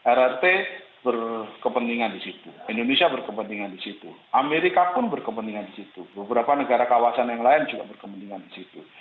rrt berkepentingan di situ indonesia berkepentingan di situ amerika pun berkepentingan di situ beberapa negara kawasan yang lain juga berkepentingan di situ